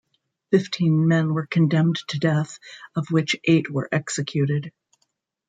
Fifteen men were condemned to death of which eight were executed.